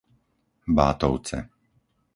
Bátovce